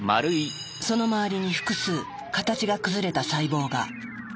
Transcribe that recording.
その周りに複数形が崩れた細胞が。